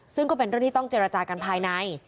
ซึ่งก็เป็นเรื่องที่ต้องเจรจากันภายใน